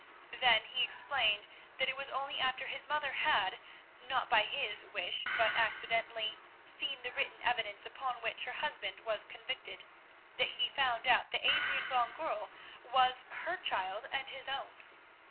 Then he explained that it was only after his mother had, not by his wish, but accidentally, seen the written evidence upon which her husband was convicted, that he found out that Adrian van Goorl was her child and his own.